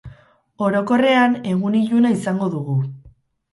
Orokorrean, egun iluna izango dugu.